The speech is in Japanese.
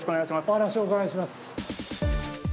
お話をお伺いします。